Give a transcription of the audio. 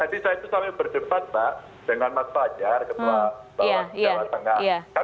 tadi saya itu selalu berdebat mbak dengan mas fajar ketua bawaslu